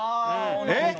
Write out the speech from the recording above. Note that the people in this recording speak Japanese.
えっ！？